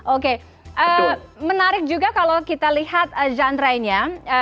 oke menarik juga kalau kita lihat genre nya